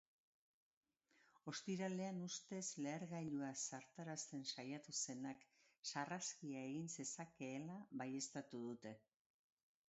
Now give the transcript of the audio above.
Ostiralean ustez lehergailua zartarazten saiatu zenak sarraskia egin zezakeela baieztatu dute.